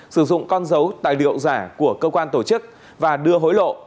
sử dụng con dấu tài liệu giả của cơ quan tổ chức và đưa hối lộ